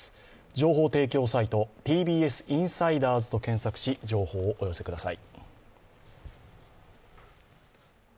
情報提供サイトＴＢＳインサイダーズと検索し情報をお寄せください。